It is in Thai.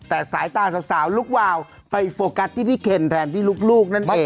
แต่สายตาสาวลุกวาวไปโฟกัสที่พี่เคนแทนที่ลูกนั่นเอง